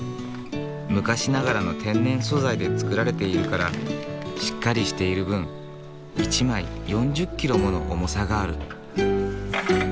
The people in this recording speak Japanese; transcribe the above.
昔ながらの天然素材で作られているからしっかりしている分一枚４０キロもの重さがある。